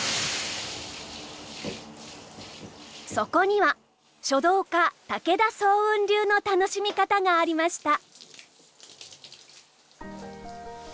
そこには書道家武田双雲流の楽しみ方がありました。